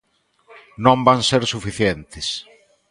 Non van ser suficientes.